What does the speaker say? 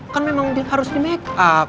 kan memang harus di make up